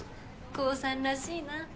コーさんらしいな。